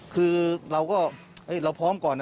คือเราก็เราพร้อมก่อนนะ